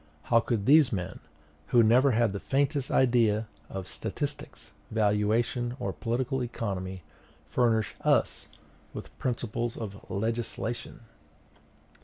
How could these men, who never had the faintest idea of statistics, valuation, or political economy, furnish us with principles of legislation?